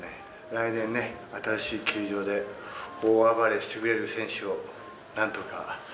来年、新しい球場で大暴れしてくれる選手を何とか。